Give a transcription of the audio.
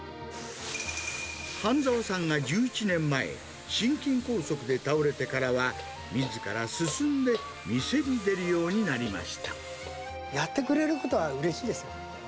半澤さんが１１年前、心筋梗塞で倒れてからは、みずから進んで店やってくれることは、うれしいですよ。